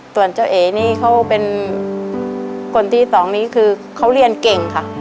ส่วนเจ้าเอ๋นี่เขาเป็นคนที่สองนี้คือเขาเรียนเก่งค่ะ